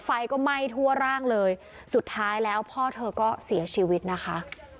ไฟก็ไหม้ทั่วร่างเลยสุดท้ายแล้วพ่อเธอก็เสียชีวิตนะคะ